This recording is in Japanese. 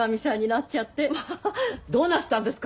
アハハどうなすったんですか